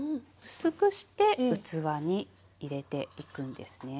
薄くして器に入れていくんですね。